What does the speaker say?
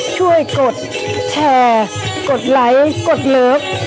กดแชร์กดไลค์กดเลิฟ